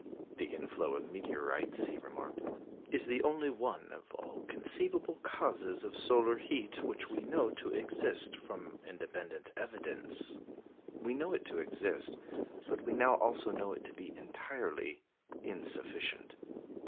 The inflow of meteorites, he remarked, "is the only one of all conceivable causes of solar heat which we know to exist from independent evidence." We know it to exist, but we now also know it to be entirely insufficient.